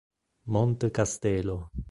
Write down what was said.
Monte Castelo